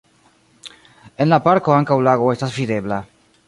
En la parko ankaŭ lago estas videbla.